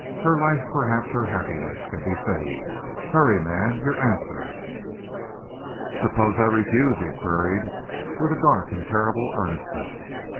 Her life, perhaps her happiness, can be saved! Hurry, man! Your answer!" "Suppose I refuse?" he queried, with a dark and terrible earnestness.